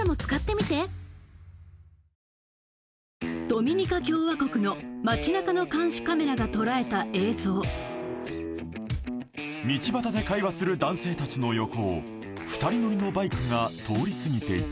ドミニカ共和国の街なかの監視カメラが捉えた映像道ばたで会話する男性達の横を２人乗りのバイクが通り過ぎていった